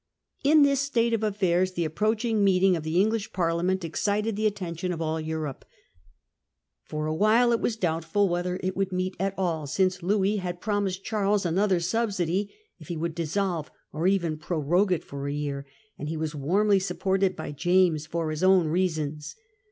In this state of affairs the approaching meeting of the English Parliament excited the attention of all Europe. Fora while it was doubtful whether it would meet at all, since Louis had promised Charles another subsidy if he would dissolve, or even prorogue it for a year ; and he was warmly supported by James for his own P^Siament; reasons.